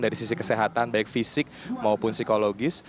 mereka bisa berhasil kesehatan baik fisik maupun psikologis